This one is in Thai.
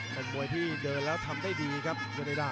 เป็นมวยที่เดินแล้วทำได้ดีครับเรดา